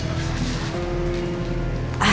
hai ah ini mungkin cuma perasaanku aja yang